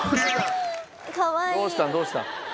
どうしたどうした？